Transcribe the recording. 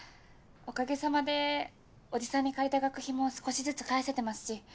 おかげさまでおじさんに借りた学費も少しずつ返せてますし。